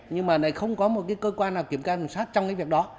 nhưng mà này không có một cái cơ quan nào kiểm tra sát trong cái việc đó